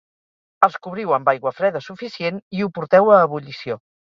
els cobriu amb aigua freda suficient i ho porteu a ebullició